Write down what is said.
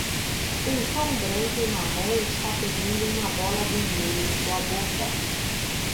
Um cão branco e marrom está pegando uma bola vermelha em sua boca